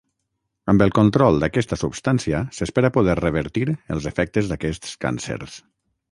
Amb el control d'aquesta substància s'espera poder revertir els efectes d'aquests càncers.